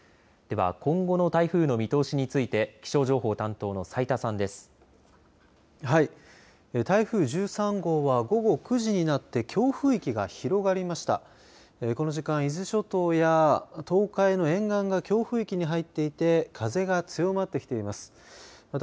はい、台風１３号は午後９時になって強風域が広がりました。